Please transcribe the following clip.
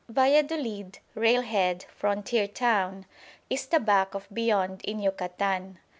Valladolid railhead, frontier town is the back of beyond in Yucatan.